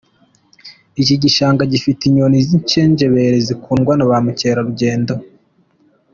Iki gishanga kinafite inyoni z’inshenjebere zikundwa na ba mukerarugendo.